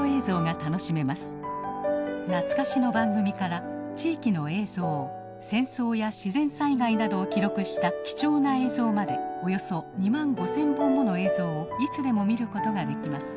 懐かしの番組から地域の映像戦争や自然災害などを記録した貴重な映像までおよそ２万５，０００本もの映像をいつでも見ることができます。